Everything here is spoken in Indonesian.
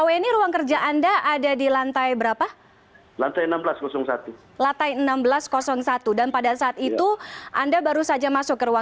kedua anggota dpr tersebut juga tidak mengalami luka